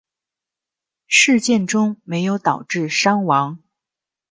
事件中没有导致伤亡。